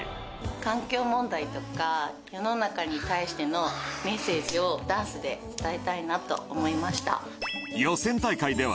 環境問題とか、世の中に対してのメッセージをダンスで伝えたいなと思いました。